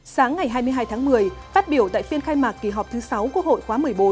sáng ngày hai mươi hai tháng một mươi phát biểu tại phiên khai mạc kỳ họp thứ sáu quốc hội khóa một mươi bốn